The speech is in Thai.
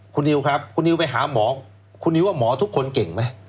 คุณนิวครับคุณนิวไปหาหมอคุณนิวว่าหมอทุกคนเก่งไหม